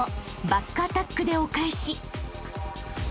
［バックアタックでお返し］